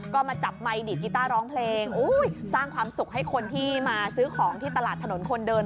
ก็มาจับไมค์ดีดกีต้าร้องเพลงสร้างความสุขให้คนที่มาซื้อของที่ตลาดถนนคนเดิน